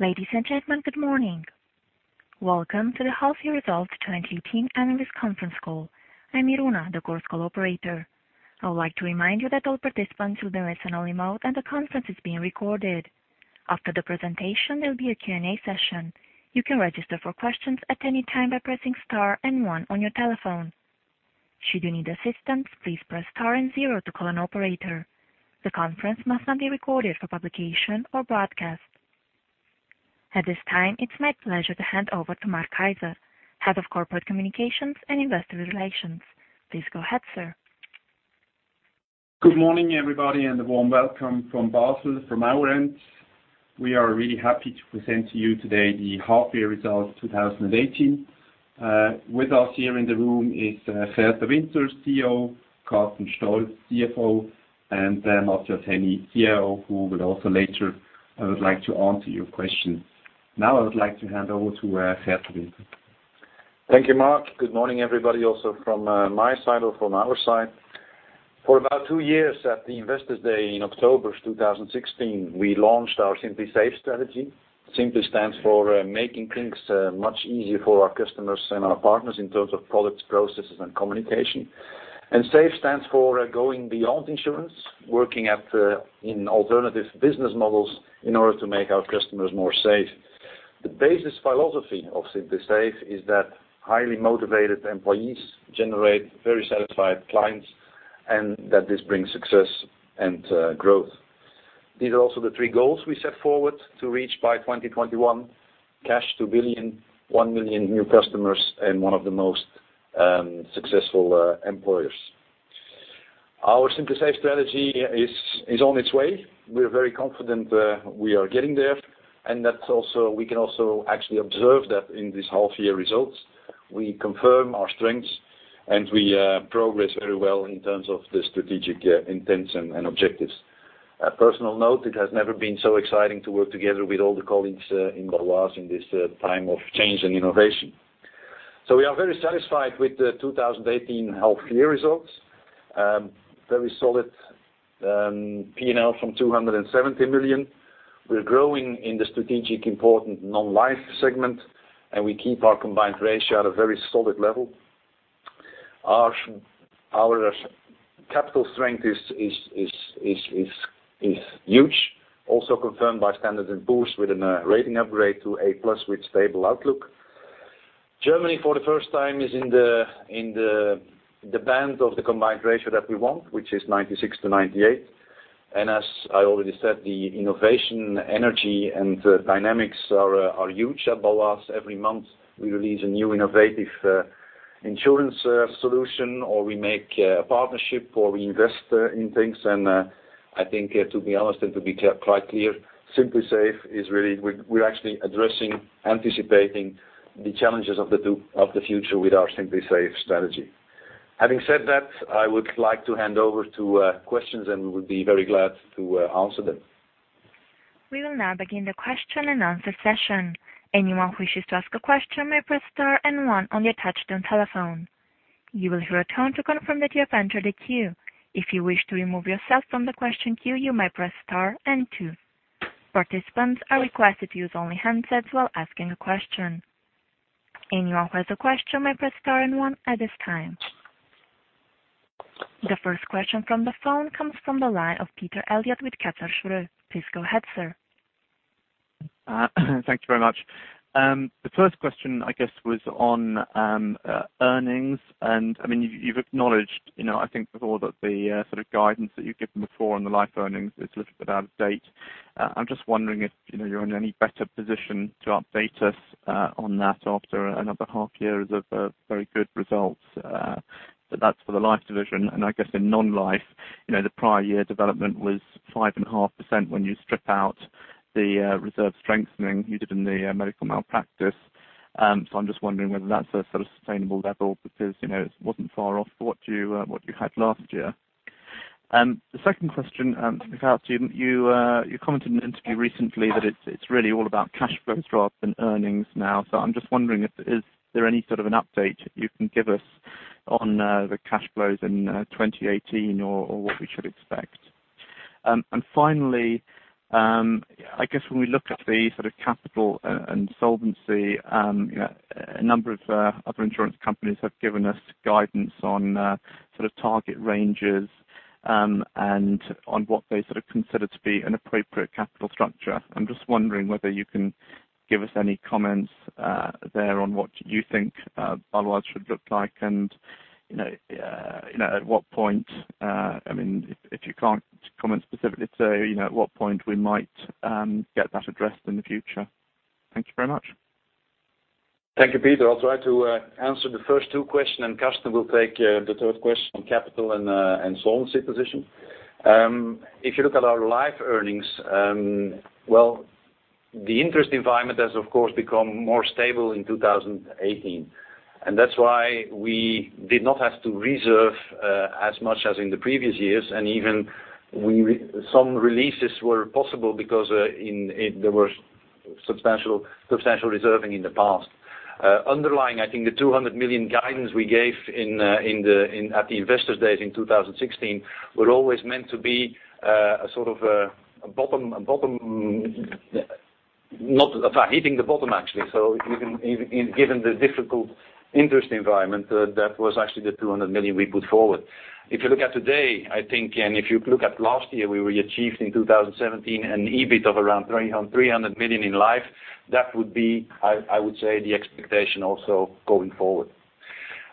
Ladies and gentlemen, good morning. Welcome to the half-year results 2018 analyst conference call. I'm Iruna, the Chorus Call operator. I would like to remind you that all participants will be in listen-only mode, and the conference is being recorded. After the presentation, there will be a Q&A session. You can register for questions at any time by pressing star and one on your telephone. Should you need assistance, please press star and zero to call an operator. The conference must not be recorded for publication or broadcast. At this time, it's my pleasure to hand over to Marc Kaiser, Head of Corporate Communications and Investor Relations. Please go ahead, sir. Good morning, everybody. A warm welcome from Basel from our end. We are really happy to present to you today the half-year results 2018. With us here in the room is Gert De Winter, CEO, Carsten Stolz, CFO, also Kenny, COO, who will also later would like to answer your questions. I would like to hand over to Gert De Winter. Thank you, Marc. Good morning, everybody, also from my side or from our side. For about two years at the Investors Day in October 2016, we launched our Simply Safe strategy. Simply stands for making things much easier for our customers and our partners in terms of products, processes, and communication. Save stands for going beyond insurance, working in alternative business models in order to make our customers more safe. The basic philosophy of Simply Safe is that highly motivated employees generate very satisfied clients and that this brings success and growth. These are also the three goals we set forward to reach by 2021, cash 2 billion, 1 million new customers, and one of the most successful employers. Our Simply Safe strategy is on its way. We are very confident we are getting there, and we can also actually observe that in these half year results. We confirm our strengths. We progress very well in terms of the strategic intents and objectives. A personal note, it has never been so exciting to work together with all the colleagues in Bâloise in this time of change and innovation. We are very satisfied with the 2018 half year results. Very solid P&L from 270 million. We are growing in the strategic important non-life segment, and we keep our combined ratio at a very solid level. Our capital strength is huge, also confirmed by Standard & Poor's with a rating upgrade to A+ with stable outlook. Germany, for the first time, is in the band of the combined ratio that we want, which is 96%-98%. As I already said, the innovation, energy, and dynamics are huge at Bâloise. Every month, we release a new innovative insurance solution, or we make a partnership, or we invest in things. I think, to be honest and to be quite clear, we're actually addressing, anticipating the challenges of the future with our Simply Safe strategy. Having said that, I would like to hand over to questions, and we would be very glad to answer them. We will now begin the question and answer session. Anyone who wishes to ask a question may press star and one on the touchtone telephone. You will hear a tone to confirm that you have entered a queue. If you wish to remove yourself from the question queue, you may press star and two. Participants are requested to use only handsets while asking a question. Anyone who has a question may press star and one at this time. The first question from the phone comes from the line of Peter Eliot with Kepler Cheuvreux. Please go ahead, sir. Thank you very much. The first question, I guess, was on earnings. You've acknowledged, I think with all the sort of guidance that you've given before on the life earnings is a little bit out of date. I'm just wondering if you're in any better position to update us on that after another half year of very good results. That's for the life division. I guess in non-life, the prior year development was 5.5% when you strip out the reserve strengthening you did in the medical malpractice. I'm just wondering whether that's a sort of sustainable level because it wasn't far off what you had last year. The second question, Gert, you commented in an interview recently that it's really all about cash flows rather than earnings now. I'm just wondering, is there any sort of an update you can give us on the cash flows in 2018 or what we should expect? Finally, I guess when we look at the sort of capital and solvency, a number of other insurance companies have given us guidance on sort of target ranges, and on what they sort of consider to be an appropriate capital structure. I'm just wondering whether you can give us any comments there on what you think Bâloise should look like, and at what point, if you can't comment specifically today, at what point we might get that addressed in the future. Thank you very much. Thank you, Peter. I'll try to answer the first two questions, Carsten will take the 3rd question on capital and solvency position. If you look at our life earnings, well, the interest environment has, of course, become more stable in 2018. That's why we did not have to reserve as much as in the previous years, and even some releases were possible because there were substantial reserving in the past. Underlying, I think the 200 million guidance we gave at the Investors Day in 2016, were always meant to be a sort of a bottom, not hitting the bottom, actually. Even given the difficult interest environment, that was actually the 200 million we put forward. If you look at today, I think, and if you look at last year, we achieved in 2017 an EBIT of around 300 million in Life. That would be, I would say, the expectation also going forward.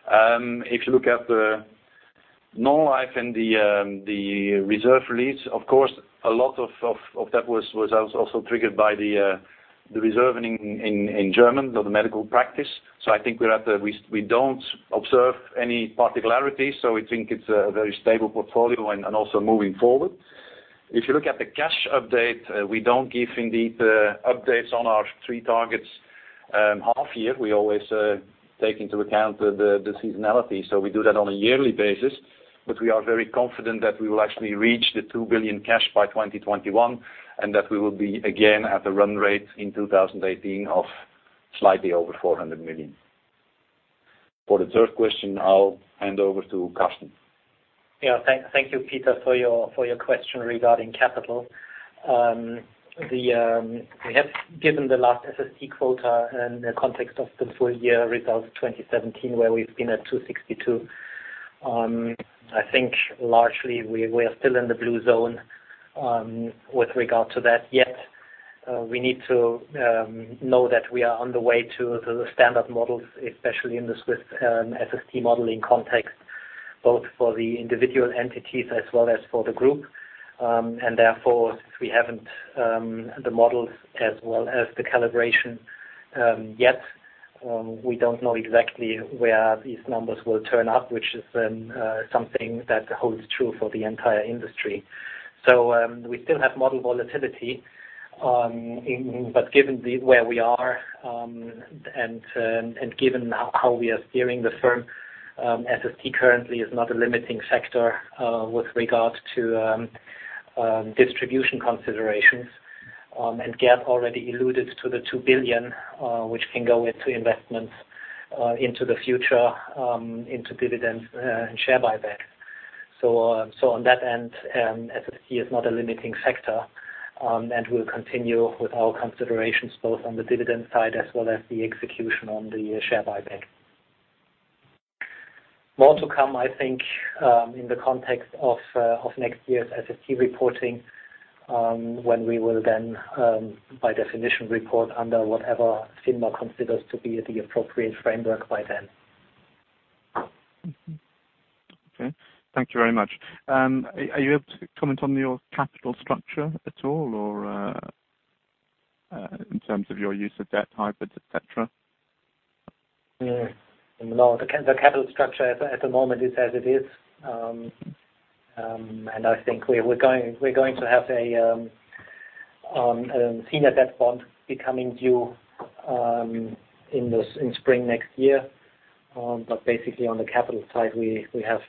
If you look at the Non-Life and the reserve release, of course, a lot of that was also triggered by the reserving in German, or the medical practice. I think we don't observe any particularities, so we think it's a very stable portfolio and also moving forward. If you look at the cash update, we don't give indeed updates on our 3 targets half year. We always take into account the seasonality. We do that on a yearly basis, but we are very confident that we will actually reach the 2 billion cash by 2021, and that we will be again at a run rate in 2018 of slightly over 400 million. For the 3rd question, I'll hand over to Carsten. Thank you, Peter, for your question regarding capital. We have given the last SST quota in the context of the full year results of 2017, where we've been at 262%. I think largely we are still in the blue zone, with regard to that. Yet, we need to know that we are on the way to the standard models, especially in the Swiss SST modeling context, both for the individual entities as well as for the group. Therefore, we haven't the models as well as the calibration yet. We don't know exactly where these numbers will turn up, which is something that holds true for the entire industry. We still have model volatility. Given where we are, and given how we are steering the firm, SST currently is not a limiting factor with regards to distribution considerations. Gert already alluded to the 2 billion, which can go into investments into the future, into dividends and share buyback. On that end, SST is not a limiting factor, and we'll continue with our considerations both on the dividend side as well as the execution on the share buyback. More to come, I think, in the context of next year's SST reporting, when we will then, by definition, report under whatever FINMA considers to be the appropriate framework by then. Okay. Thank you very much. Are you able to comment on your capital structure at all, or in terms of your use of debt hybrids, et cetera? No. The capital structure at the moment is as it is. I think we're going to have a senior debt bond becoming due in spring next year. Basically on the capital side, we have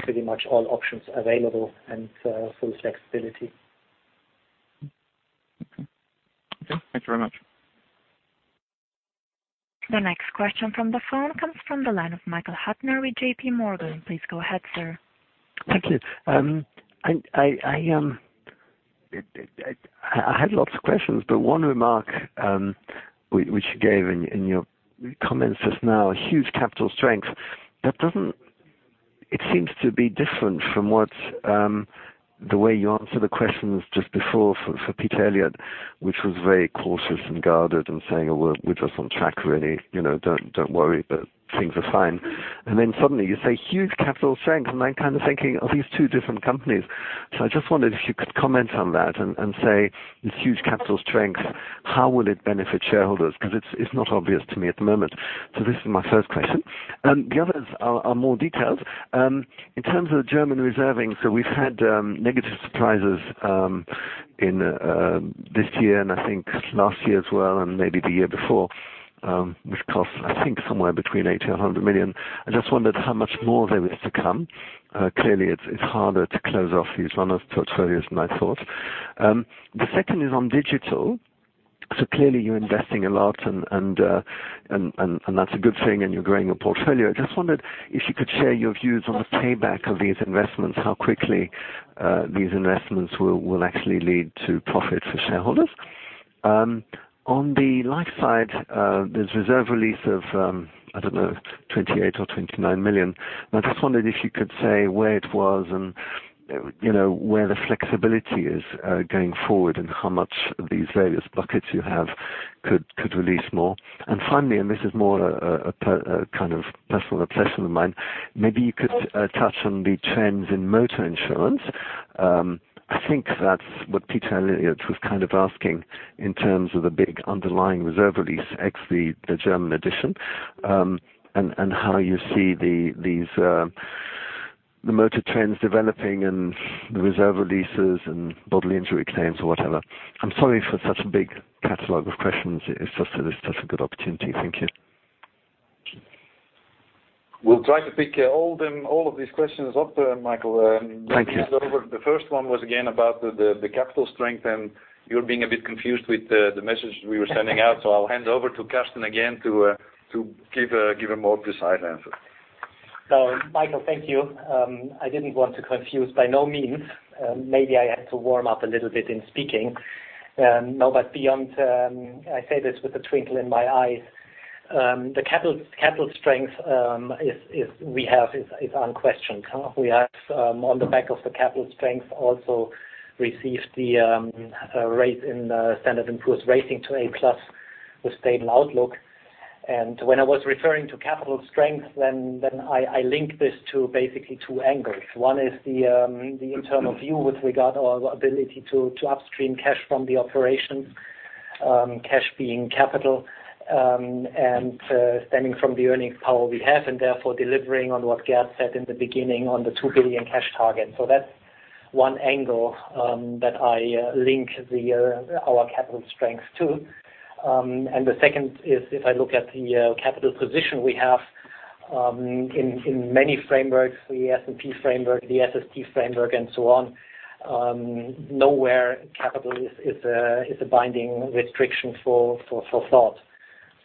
pretty much all options available and full flexibility. Okay. Thank you very much. The next question from the phone comes from the line of Michael Huttner with J.PMorgan. Please go ahead, sir. Thank you. I had lots of questions. One remark which you gave in your comments just now, huge capital strength. It seems to be different from the way you answered the questions just before for Peter Eliot, which was very cautious and guarded and saying, "We're just on track, really. Don't worry, but things are fine." Suddenly you say huge capital strength, and I'm kind of thinking, are these two different companies? I just wondered if you could comment on that and say this huge capital strength, how will it benefit shareholders? Because it's not obvious to me at the moment. This is my first question. The others are more detailed. In terms of the German reserving, we've had negative surprises in this year and I think last year as well and maybe the year before, which cost I think somewhere between 80 million and 100 million. I just wondered how much more there is to come. Clearly it's harder to close off these run-off portfolios than I thought. The second is on digital. Clearly you're investing a lot, and that's a good thing, and you're growing your portfolio. I just wondered if you could share your views on the payback of these investments, how quickly these investments will actually lead to profit for shareholders. On the life side, there's reserve release of, I don't know, 28 million or 29 million. I just wondered if you could say where it was and where the flexibility is going forward and how much these various buckets you have could release more. Finally, this is more a kind of personal obsession of mine. Maybe you could touch on the trends in motor insurance. I think that's what Peter Eliot was kind of asking in terms of the big underlying reserve release, ex the German addition. How you see the motor trends developing and the reserve releases and bodily injury claims or whatever. I'm sorry for such a big catalog of questions. It's just that it's such a good opportunity. Thank you. We'll try to pick all of these questions up, Michael. Thank you. The first one was again about the capital strength, you're being a bit confused with the message we were sending out. I'll hand over to Carsten again to give a more precise answer. Michael, thank you. I didn't want to confuse, by no means. Maybe I had to warm up a little bit in speaking. Beyond, I say this with a twinkle in my eye. The capital strength we have is unquestioned. We have, on the back of the capital strength, also received the rate in Standard & Poor's rating to A+ with stable outlook. When I was referring to capital strength, I link this to basically two angles. One is the internal view with regard our ability to upstream cash from the operations, cash being capital, and stemming from the earnings power we have and therefore delivering on what Gert said in the beginning on the 2 billion cash target. That's one angle that I link our capital strength to. The second is, if I look at the capital position we have in many frameworks, the S&P framework, the SST framework, and so on, nowhere capital is a binding restriction for thought.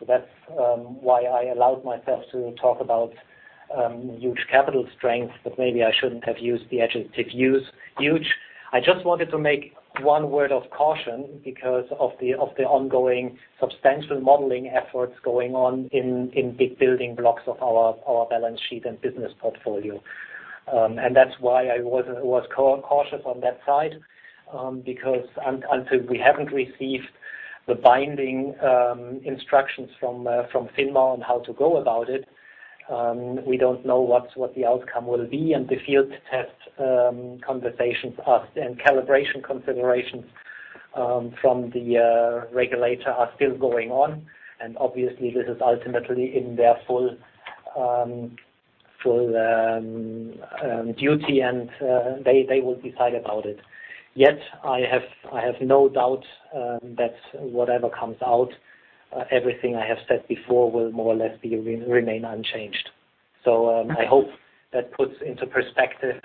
That's why I allowed myself to talk about huge capital strength, but maybe I shouldn't have used the adjective "huge." I just wanted to make one word of caution because of the ongoing substantial modeling efforts going on in big building blocks of our balance sheet and business portfolio. That's why I was cautious on that side, because until we haven't received the binding instructions from FINMA on how to go about it, we don't know what the outcome will be, and the field test conversations and calibration considerations from the regulator are still going on. Obviously this is ultimately in their full duty and they will decide about it. I have no doubt that whatever comes out, everything I have said before will more or less remain unchanged. I hope that puts into perspective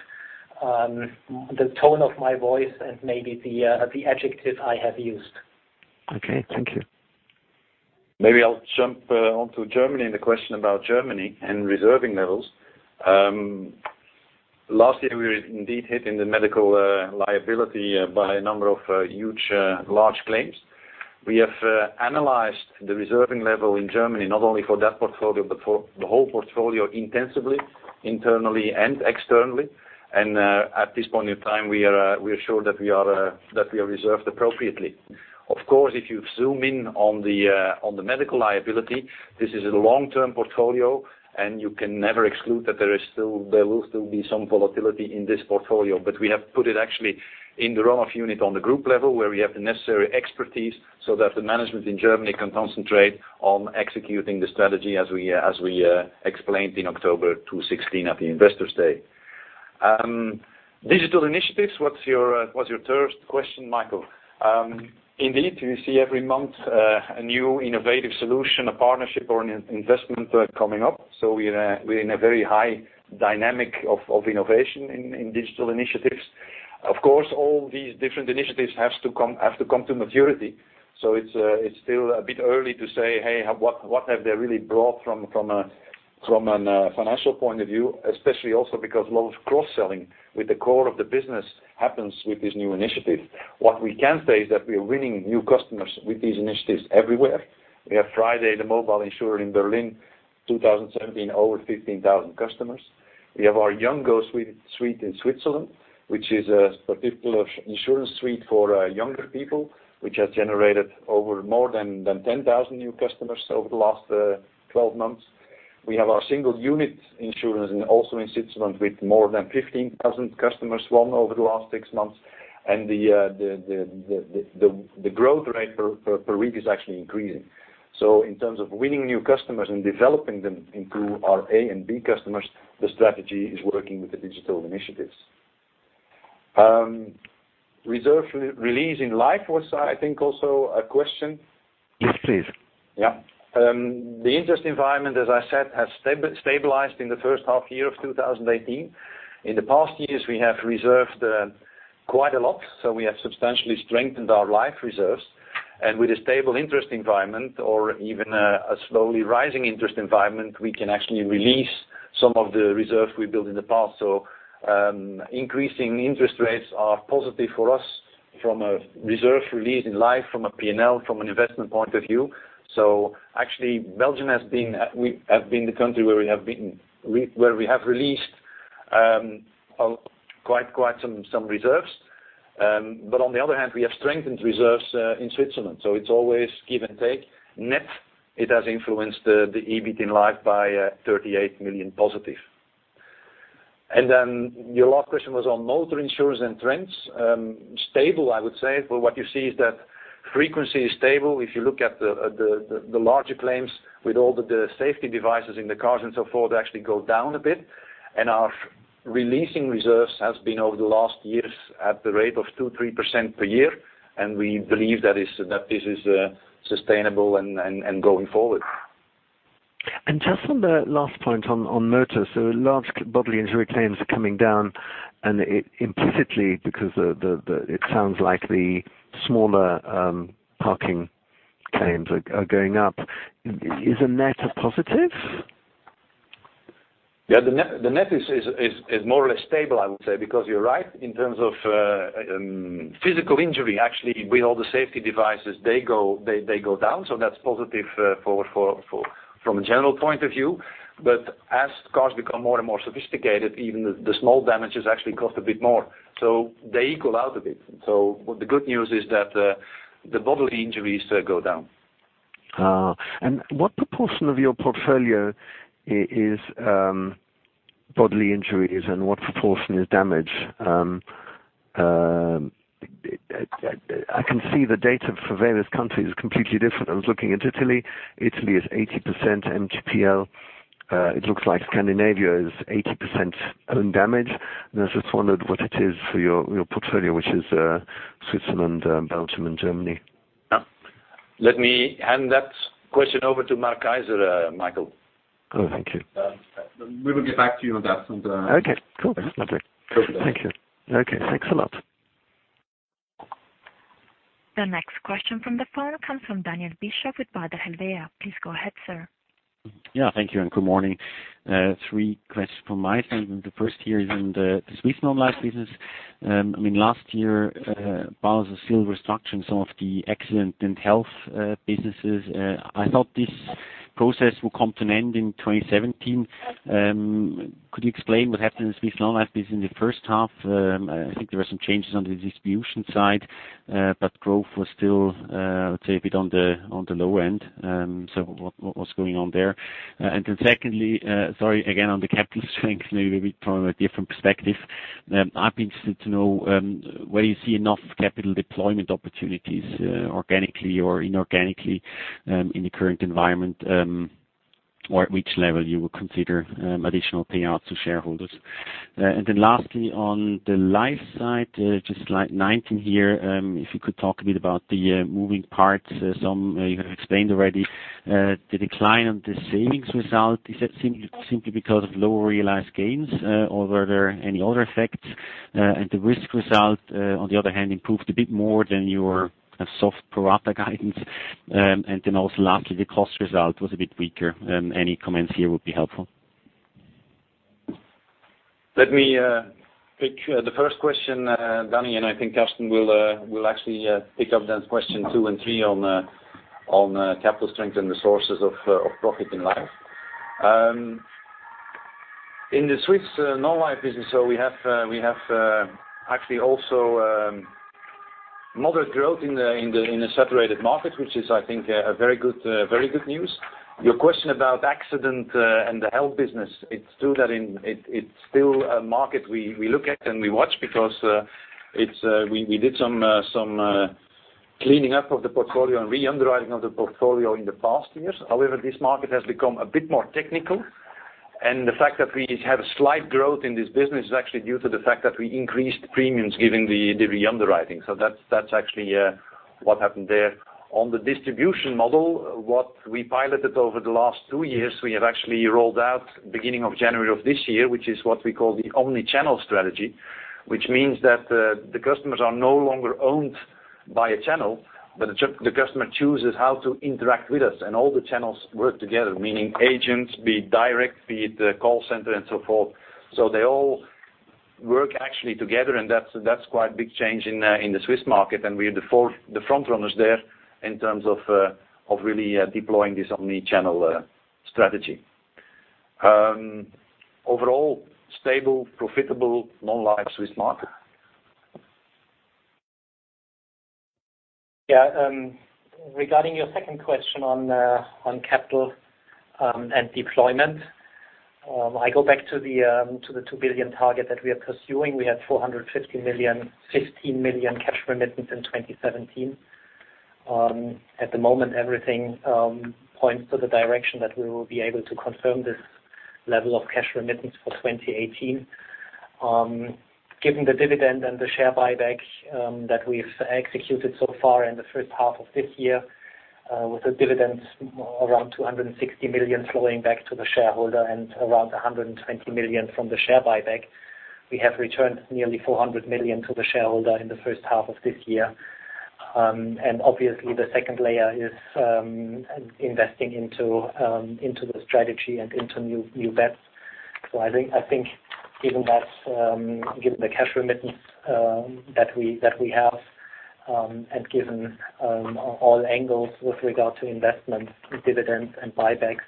the tone of my voice and maybe the adjective I have used. Okay. Thank you. I'll jump onto Germany and the question about Germany and reserving levels. Last year, we were indeed hit in the medical liability by a number of huge, large claims. We have analyzed the reserving level in Germany not only for that portfolio, but for the whole portfolio intensively, internally and externally. At this point in time, we are sure that we have reserved appropriately. Of course, if you zoom in on the medical liability, this is a long-term portfolio and you can never exclude that there will still be some volatility in this portfolio. We have put it actually in the run-off unit on the group level, where we have the necessary expertise so that the management in Germany can concentrate on executing the strategy as we explained in October 2016 at the Investors Day. Digital initiatives, what's your third question, Michael? Indeed, you see every month, a new innovative solution, a partnership or an investment coming up. We're in a very high dynamic of innovation in digital initiatives. Of course, all these different initiatives have to come to maturity. It's still a bit early to say, hey, what have they really brought from a financial point of view, especially also because a lot of cross-selling with the core of the business happens with these new initiatives. What we can say is that we are winning new customers with these initiatives everywhere. We have FRIDAY, the mobile insurer in Berlin, 2017, over 15,000 customers. We have our youngGo suite in Switzerland, which is a particular insurance suite for younger people, which has generated over more than 10,000 new customers over the last 12 months. We have our single-unit insurance also in Switzerland with more than 15,000 customers won over the last 6 months, and the growth rate per week is actually increasing. In terms of winning new customers and developing them into our A and B customers, the strategy is working with the digital initiatives. Reserve release in life was, I think, also a question. Yes, please. The interest environment, as I said, has stabilized in the first half year of 2018. In the past years, we have reserved quite a lot, we have substantially strengthened our life reserves. With a stable interest environment or even a slowly rising interest environment, we can actually release some of the reserve we built in the past. Increasing interest rates are positive for us from a reserve release in life, from a P&L, from an investment point of view. Actually, Belgium have been the country where we have released quite some reserves. On the other hand, we have strengthened reserves in Switzerland, so it's always give and take. Net, it has influenced the EBIT in life by 38 million positive. Your last question was on motor insurance and trends. Stable, I would say. What you see is that frequency is stable. If you look at the larger claims with all the safety devices in the cars and so forth, they actually go down a bit. Our releasing reserves has been over the last years at the rate of 2%, 3% per year, and we believe that this is sustainable and going forward. Just on the last point on motors, large bodily injury claims are coming down and implicitly because it sounds like the smaller parking claims are going up. Is the net a positive? Yeah. The net is more or less stable, I would say, because you're right in terms of physical injury, actually, with all the safety devices, they go down. That's positive from a general point of view. As cars become more and more sophisticated, even the small damages actually cost a bit more, so they equal out a bit. The good news is that the bodily injuries go down. What proportion of your portfolio is bodily injuries and what proportion is damage? I can see the data for various countries is completely different. I was looking at Italy. Italy is 80% MTPL. It looks like Scandinavia is 80% own damage, I just wondered what it is for your portfolio, which is Switzerland, Belgium, and Germany. Let me hand that question over to Marc Kaiser, Michael. Oh, thank you. We will get back to you on that. Okay, cool. That's lovely. No problem. Thank you. Okay, thanks a lot. The next question from the phone comes from Daniel Bischof with Baader Helvea. Please go ahead, sir. Thank you, and good morning. three questions from my side, the first here is in the Swiss non-life business. Last year, Bâloise is still restructuring some of the accident and health businesses. I thought this process will come to an end in 2017. Could you explain what happened in the Swiss non-life business in the first half? I think there were some changes on the distribution side, but growth was still, I would say, a bit on the low end. What's going on there? Secondly, sorry, again, on the capital strength, maybe from a different perspective. I'd be interested to know where you see enough capital deployment opportunities, organically or inorganically, in the current environment. At which level you will consider additional payouts to shareholders. Lastly, on the life side, just line 19 here, if you could talk a bit about the moving parts. Some you have explained already. The decline on the savings result, is that simply because of lower realized gains, or were there any other effects? The risk result, on the other hand, improved a bit more than your soft pro rata guidance. Also lastly, the cost result was a bit weaker. Any comments here would be helpful. Let me take the first question, Danny, and I think Carsten will actually pick up then question two and three on capital strength and the sources of profit in life. In the Swiss non-life business, we have actually also moderate growth in a separated market, which is, I think, very good news. Your question about accident and the health business, it's true that it's still a market we look at and we watch because we did some cleaning up of the portfolio and re-underwriting of the portfolio in the past years. However, this market has become a bit more technical, and the fact that we have a slight growth in this business is actually due to the fact that we increased premiums given the re-underwriting. That's actually what happened there. On the distribution model, what we piloted over the last two years, we have actually rolled out beginning of January of this year, which is what we call the omni-channel strategy, which means that the customers are no longer owned by a channel, but the customer chooses how to interact with us, and all the channels work together. Meaning agents, be it direct, be it the call center, and so forth. They all work actually together, and that's quite a big change in the Swiss market, and we are the front runners there in terms of really deploying this omni-channel strategy. Overall, stable, profitable non-life Swiss market. Regarding your second question on capital and deployment, I go back to the 2 billion target that we are pursuing. We had 450 million, 15 million cash remittance in 2017. At the moment, everything points to the direction that we will be able to confirm this level of cash remittance for 2018. Given the dividend and the share buyback that we've executed so far in the first half of this year, with the dividends around 260 million flowing back to the shareholder and around 120 million from the share buyback. We have returned nearly 400 million to the shareholder in the first half of this year. Obviously, the second layer is investing into the strategy and into new bets. I think given the cash remittance that we have, and given all angles with regard to investments, dividends, and buybacks,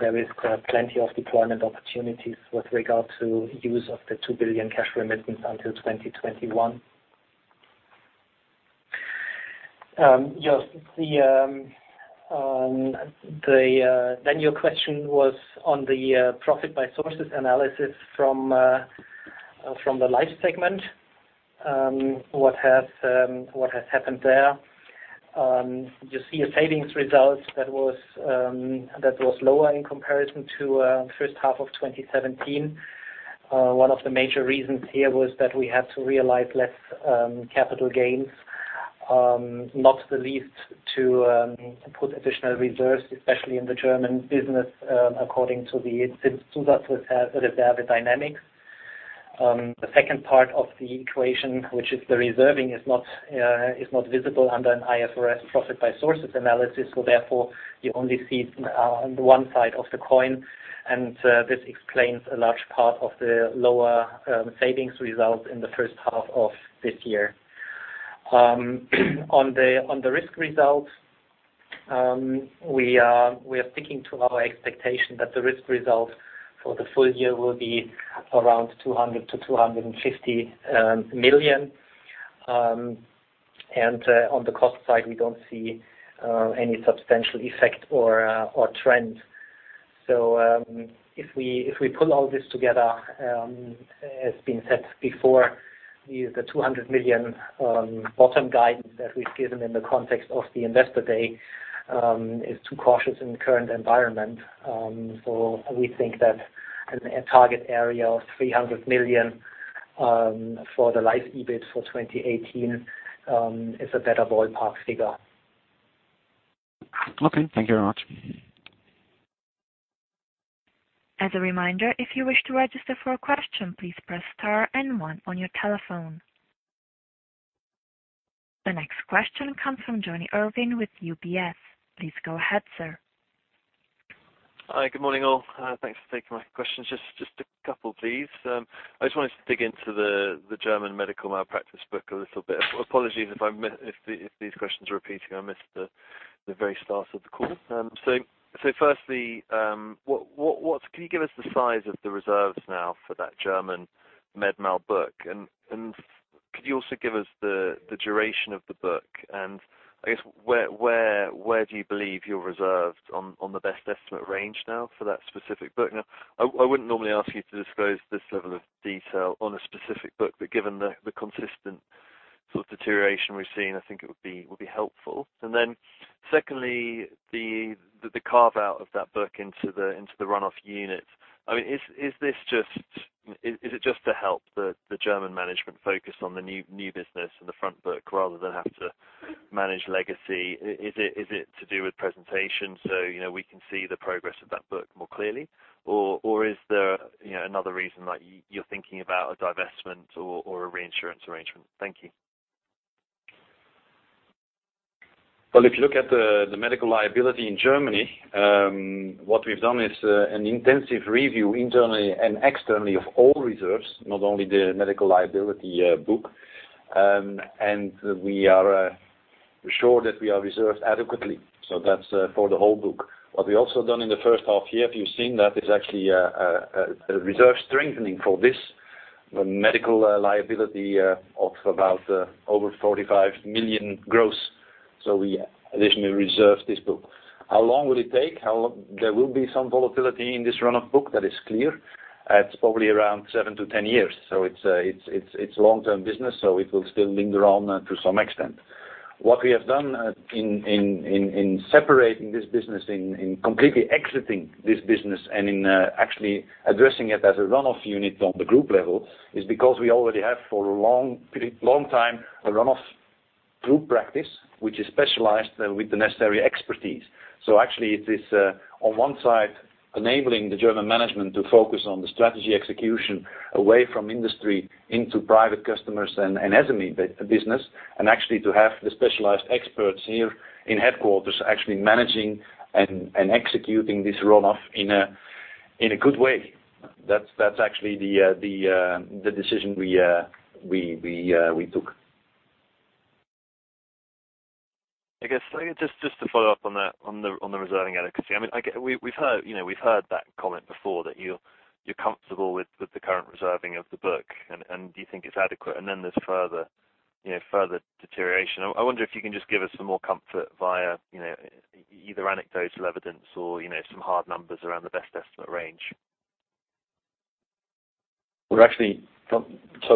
there is plenty of deployment opportunities with regard to use of the 2 billion cash remittance until 2021. Your question was on the profit by sources analysis from the life segment. What has happened there. You see a savings result that was lower in comparison to first half of 2017. One of the major reasons here was that we had to realize less capital gains, not the least to put additional reserves, especially in the German business, according to the reserve dynamics. The second part of the equation, which is the reserving, is not visible under an IFRS profit by sources analysis. Therefore, you only see on the one side of the coin, and this explains a large part of the lower savings result in the first half of this year. On the risk result, we are sticking to our expectation that the risk result for the full year will be around 200 million to 250 million. On the cost side, we don't see any substantial effect or trend. If we pull all this together, as been said before, the 200 million bottom guidance that we've given in the context of the investor day is too cautious in the current environment. We think that a target area of 300 million for the life EBIT for 2018 is a better ballpark figure. Okay. Thank you very much. As a reminder, if you wish to register for a question, please press star and 1 on your telephone. The next question comes from Jonny Urwin with UBS. Please go ahead, sir. Hi, good morning, all. Thanks for taking my questions. Just a couple, please. I just wanted to dig into the German medical malpractice book a little bit. Apologies if these questions are repeating. I missed the very start of the call. Firstly, can you give us the size of the reserves now for that German med mal book? Could you also give us the duration of the book? I guess where do you believe you're reserved on the best estimate range now for that specific book? I wouldn't normally ask you to disclose this level of detail on a specific book, but given the consistent sort of deterioration we've seen, I think it would be helpful. Secondly, the carve out of that book into the run-off unit. Is it just to help the German management focus on the new business and the front book rather than have to manage legacy? Is it to do with presentation so we can see the progress of that book more clearly? Or is there another reason, like you're thinking about a divestment or a reinsurance arrangement? Thank you. Well, if you look at the medical liability in Germany, what we've done is an intensive review internally and externally of all reserves, not only the medical liability book. We are sure that we are reserved adequately, that's for the whole book. What we've also done in the first half year, if you've seen that, is actually a reserve strengthening for this, the medical liability of about over 45 million gross. We additionally reserved this book. How long will it take? There will be some volatility in this run-off book, that is clear. It's probably around seven to 10 years. It's long-term business, it will still linger on to some extent. What we have done in separating this business, in completely exiting this business and in actually addressing it as a run-off unit on the group level is because we already have for a long time, a run-off group practice, which is specialized with the necessary expertise. Actually it is, on one side, enabling the German management to focus on the strategy execution away from industry into private customers and SME business, and actually to have the specialized experts here in headquarters actually managing and executing this run-off in a good way. That's actually the decision we took. I guess just to follow up on the reserving adequacy. We've heard that comment before, that you're comfortable with the current reserving of the book, and you think it's adequate, then there's further deterioration. I wonder if you can just give us some more comfort via either anecdotal evidence or some hard numbers around the best estimate range.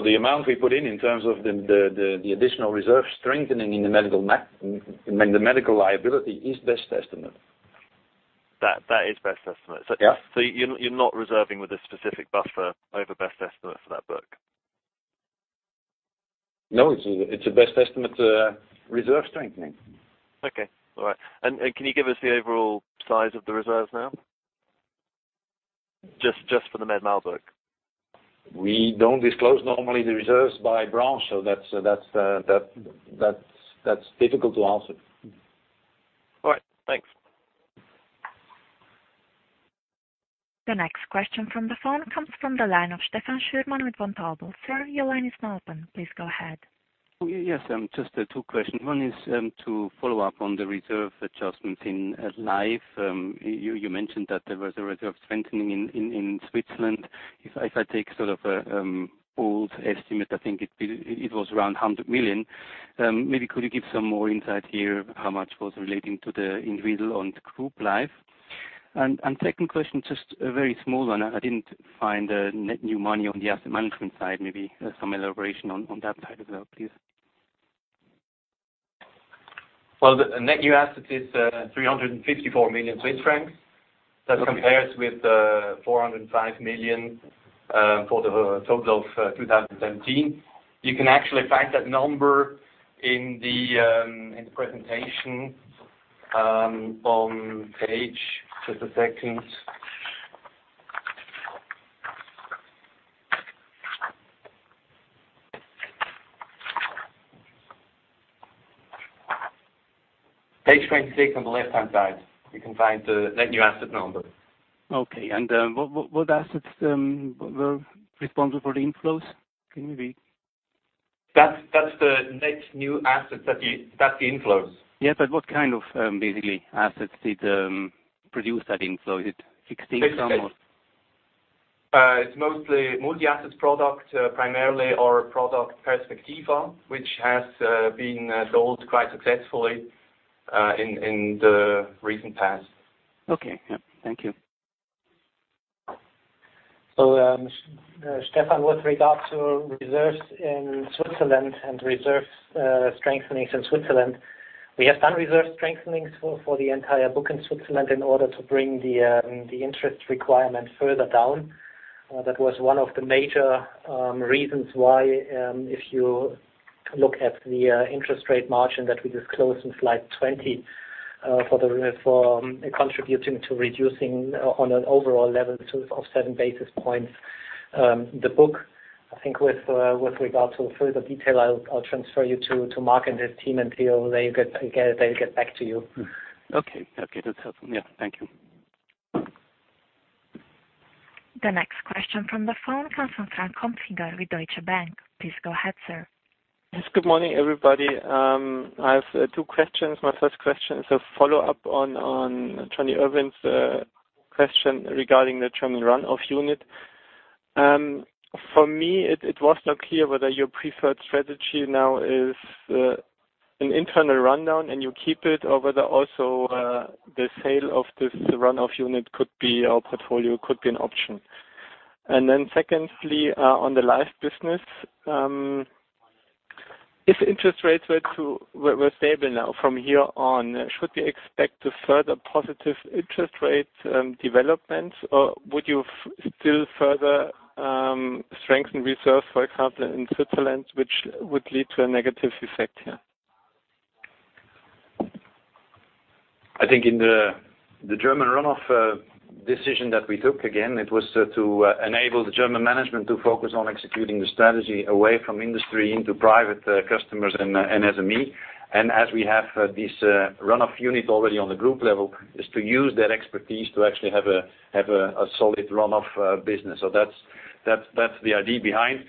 The amount we put in terms of the additional reserve strengthening in the medical liability is best estimate. That is best estimate. Yeah. You're not reserving with a specific buffer over best estimate for that book? No, it's a best estimate reserve strengthening. Okay. All right. Can you give us the overall size of the reserves now? Just for the med mal book. We don't disclose normally the reserves by branch, that's difficult to answer. All right. Thanks. The next question from the phone comes from the line of Stefan Schürmann with Vontobel. Sir, your line is now open. Please go ahead. Yes. Just two questions. One is to follow up on the reserve adjustments in life. You mentioned that there was a reserve strengthening in Switzerland. If I take sort of an old estimate, I think it was around 100 million. Maybe could you give some more insight here how much was relating to the individual and group life? Second question, just a very small one. I didn't find the net new money on the asset management side. Maybe some elaboration on that side as well, please. Well, the net new asset is 354 million Swiss francs. That compares with 405 million for the total of 2017. You can actually find that number in the presentation on page, just a second. Page 26 on the left-hand side, you can find the net new asset number. Okay, what assets were responsible for the inflows? Can you repeat? That's the net new assets. That's the inflows. Yeah, what kind of assets did produce that inflow? Is it fixed income or It's mostly multi-asset product, primarily our product Perspectiva, which has been sold quite successfully in the recent past. Okay. Yeah. Thank you. Stefan, with regard to reserves in Switzerland and reserve strengthening in Switzerland, we have done reserve strengthening for the entire book in Switzerland in order to bring the interest requirement further down. That was one of the major reasons why, if you look at the interest rate margin that we disclosed in slide 20, for contributing to reducing on an overall level of seven basis points the book. I think with regard to further detail, I'll transfer you to Marc and his team, they'll get back to you. That's helpful. Thank you. The next question from the phone comes from Frank Kopfinger with Deutsche Bank. Please go ahead, sir. Good morning, everybody. I have two questions. My first question is a follow-up on Jonny Urwin's question regarding the German run-off unit. For me, it was not clear whether your preferred strategy now is an internal rundown and you keep it, or whether also the sale of this run-off unit could be, or portfolio could be an option. Secondly, on the life business. If interest rates were stable now from here on, should we expect a further positive interest rate development, or would you still further strengthen reserve, for example, in Switzerland, which would lead to a negative effect here? I think in the German run-off decision that we took, again, it was to enable the German management to focus on executing the strategy away from industry into private customers and SME. As we have this run-off unit already on the group level, is to use that expertise to actually have a solid run-off business. That's the idea behind.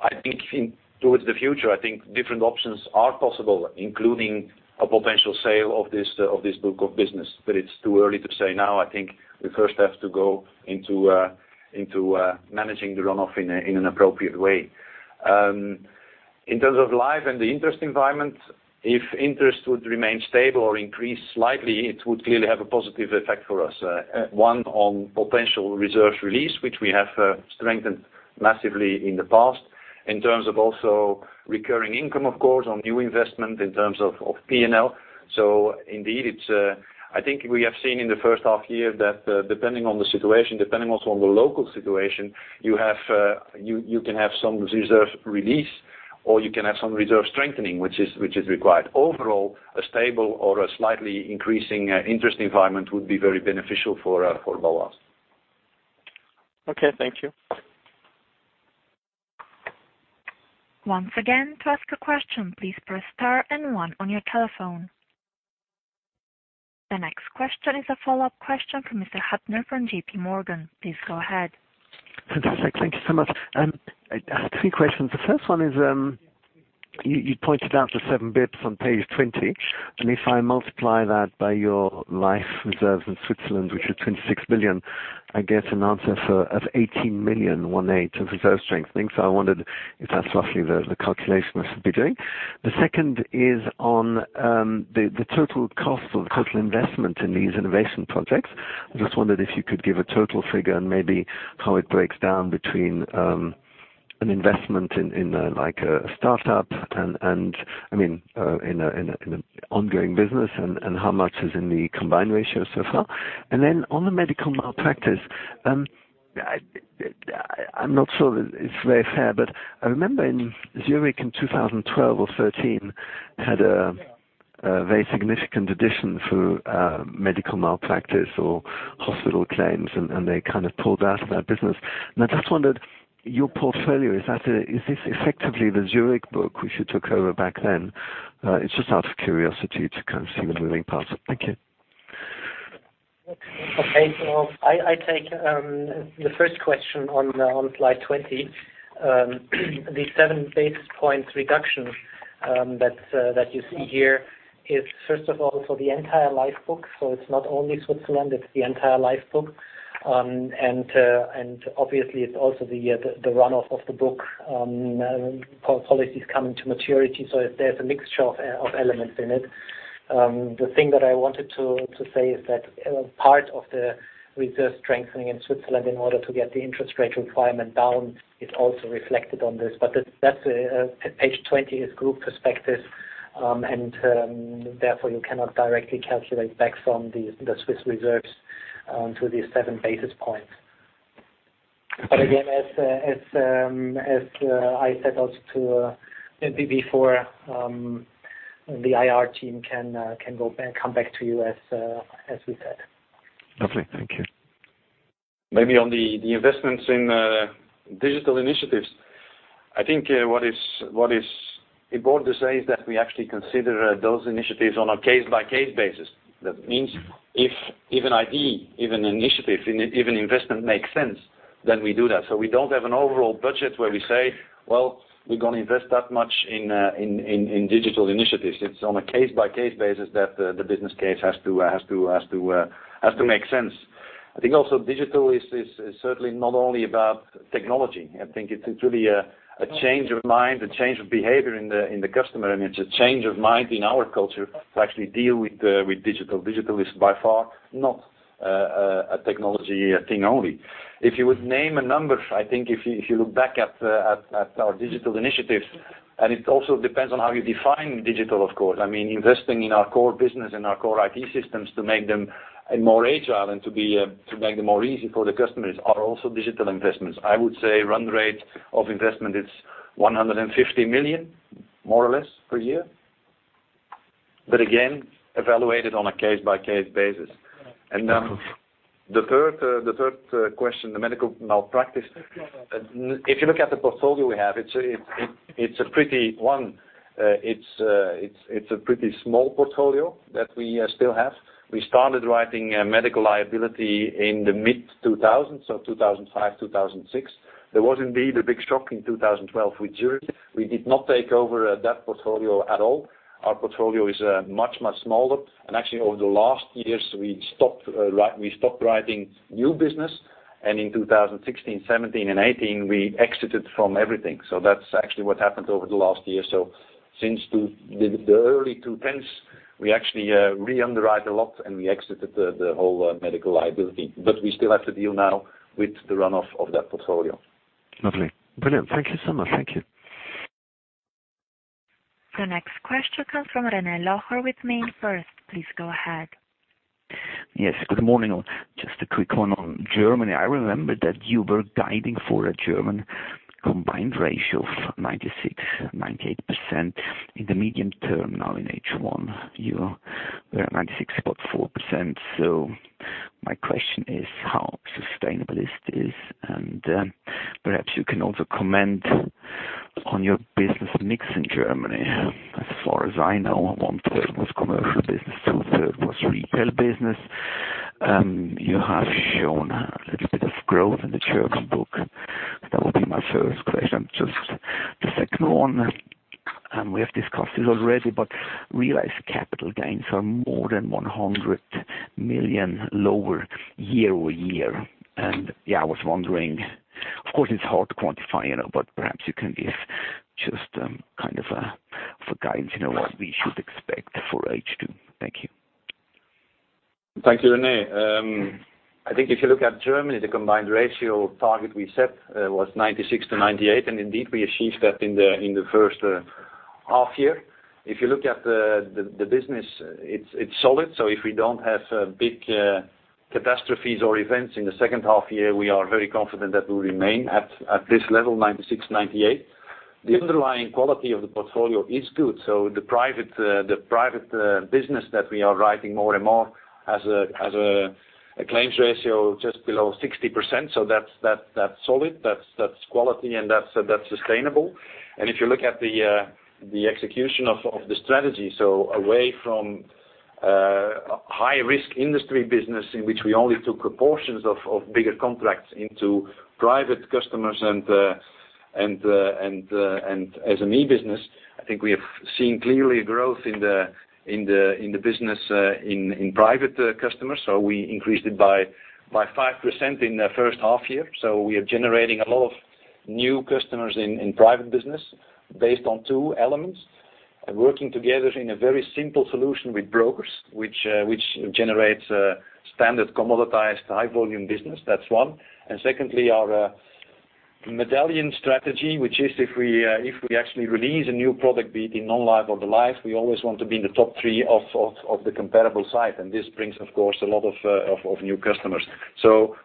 I think towards the future, I think different options are possible, including a potential sale of this book of business, but it's too early to say now. I think we first have to go into managing the run-off in an appropriate way. In terms of life and the interest environment, if interest would remain stable or increase slightly, it would clearly have a positive effect for us. One, on potential reserve release, which we have strengthened massively in the past. In terms of also recurring income, of course, on new investment, in terms of P&L. Indeed, I think we have seen in the first half year that depending on the situation, depending also on the local situation, you can have some reserve release, or you can have some reserve strengthening, which is required. Overall, a stable or a slightly increasing interest environment would be very beneficial for Bâloise. Okay, thank you. Once again, to ask a question, please press star and one on your telephone. The next question is a follow-up question from Mr. Huttner from JP Morgan. Please go ahead. Fantastic. Thank you so much. I have three questions. The first one is, you pointed out the seven basis points on page 20, and if I multiply that by your life reserves in Switzerland, which are 26 million, I get an answer of 18 million of reserve strengthening. I wondered if that's roughly the calculation I should be doing. The second is on the total cost or the total investment in these innovation projects. I just wondered if you could give a total figure and maybe how it breaks down between an investment in a startup and in an ongoing business, and how much is in the combined ratio so far. On the medical malpractice, I'm not sure that it's very fair, but I remember Zurich in 2012 or 2013 had a very significant addition through medical malpractice or hospital claims, and they kind of pulled out of that business. I just wondered, your portfolio, is this effectively the Zurich book, which you took over back then? It's just out of curiosity to kind of see the moving parts. Thank you. Okay. I take the first question on slide 20. The seven basis points reduction that you see here is first of all for the entire life book. It's not only Switzerland, it's the entire life book. Obviously, it's also the runoff of the book policies coming to maturity. There's a mixture of elements in it. The thing that I wanted to say is that part of the reserve strengthening in Switzerland in order to get the interest rate requirement down is also reflected on this. That page 20 is group perspective, and therefore you cannot directly calculate back from the Swiss reserves to these seven basis points. Again, as I said also maybe before, the IR team can come back to you as we said. Lovely. Thank you. Maybe on the investments in digital initiatives. I think what is important to say is that we actually consider those initiatives on a case-by-case basis. That means if an ID, if an initiative, if an investment makes sense, then we do that. We don't have an overall budget where we say, well, we're going to invest that much in digital initiatives. It's on a case-by-case basis that the business case has to make sense. I think also digital is certainly not only about technology. I think it's really a change of mind, a change of behavior in the customer, and it's a change of mind in our culture to actually deal with digital. Digital is by far not a technology thing only. If you would name a number, I think if you look back at our digital initiatives, and it also depends on how you define digital, of course. I mean, investing in our core business and our core IT systems to make them more agile and to make them easier for the customers are also digital investments. I would say run rate of investment, it's 150 million, more or less, per year. Again, evaluated on a case-by-case basis. The third question, the medical malpractice. If you look at the portfolio we have, one, it's a pretty small portfolio that we still have. We started writing medical liability in the mid-2000s, so 2005, 2006. There was indeed a big shock in 2012 with 2008. We did not take over that portfolio at all. Our portfolio is much, much smaller. Actually, over the last years, we stopped writing new business, and in 2016, 2017, and 2018, we exited from everything. That's actually what happened over the last year. Since the early 2010s, we actually re-underwrote a lot, and we exited the whole medical liability. We still have to deal now with the runoff of that portfolio. Lovely. Brilliant. Thank you so much. Thank you. The next question comes from René Locher with MainFirst. Please go ahead. Yes. Good morning all. Just a quick one on Germany. I remember that you were guiding for a German combined ratio of 96%-98% in the medium term. Now in H1, you were at 96.4%. My question is how sustainable is this? Perhaps you can also comment on your business mix in Germany. As far as I know, one-third was commercial business, two-third was retail business. You have shown a little bit of growth in the German book. That would be my first question. Just the second one. We have discussed this already, but realized capital gains are more than 100 million lower year-over-year. I was wondering, of course, it's hard to quantify, but perhaps you can give just kind of a guidance, what we should expect for H2. Thank you. Thank you, René. I think if you look at Germany, the combined ratio target we set was 96-98, and indeed, we achieved that in the first half year. If you look at the business, it's solid. If we don't have big catastrophes or events in the second half year, we are very confident that we will remain at this level, 96-98. The underlying quality of the portfolio is good. The private business that we are writing more and more has a claims ratio just below 60%. That's solid, that's quality, and that's sustainable. If you look at the execution of the strategy, so away from high-risk industry business in which we only took proportions of bigger contracts into private customers and SME business, I think we have seen clearly a growth in the business in private customers. We increased it by 5% in the first half year. We are generating a lot of new customers in private business based on two elements. Working together in a very simple solution with brokers, which generates a standard commoditized high volume business. That's one. Secondly, our Medallion Architecture, which is if we actually release a new product, be it in non-life or the life, we always want to be in the top three of the comparable site. This brings, of course, a lot of new customers.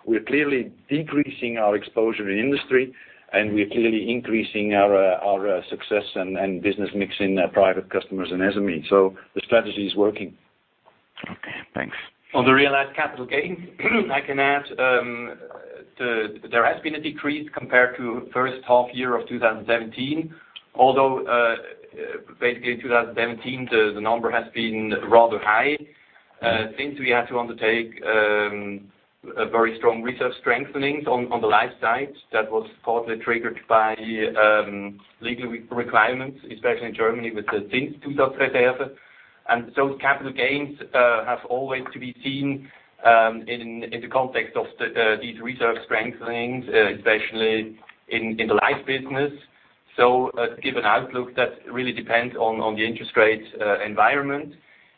We are clearly decreasing our exposure in industry, and we are clearly increasing our success and business mix in private customers and SME. The strategy is working. Okay, thanks. On the realized capital gain, I can add, there has been a decrease compared to first half year of 2017, although, basically in 2017, the number has been rather high. Since we had to undertake a very strong reserve strengthening on the life side, that was partly triggered by legal requirements, especially in Germany with the Zinszusatzreserve. Those capital gains have always to be seen in the context of these reserve strengthenings, especially in the life business. To give an outlook, that really depends on the interest rate environment.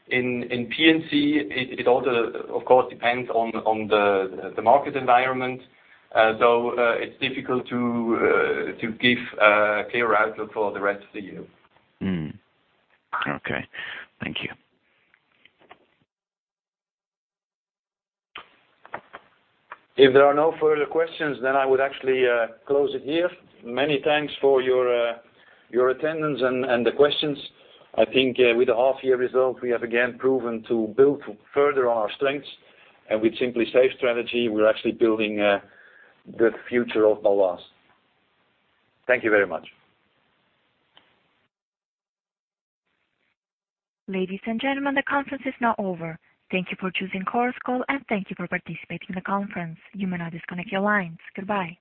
In P&C, it also, of course, depends on the market environment. It's difficult to give a clear outlook for the rest of the year. Okay. Thank you. If there are no further questions, I would actually close it here. Many thanks for your attendance and the questions. I think with the half year results, we have again proven to build further on our strengths. With Simply Safe strategy, we're actually building the future of Bâloise. Thank you very much. Ladies and gentlemen, the conference is now over. Thank you for choosing Chorus Call. Thank you for participating in the conference. You may now disconnect your lines. Goodbye.